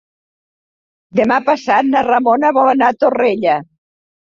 Demà passat na Ramona vol anar a Torrella.